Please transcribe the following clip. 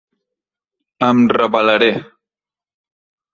Em rebel·laré.